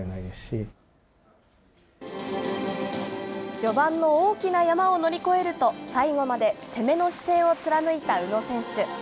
序盤の大きな山を乗り越えると、最後まで攻めの姿勢を貫いた宇野選手。